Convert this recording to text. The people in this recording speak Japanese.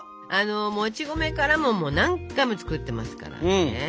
あのもち米からももう何回か作ってますからね。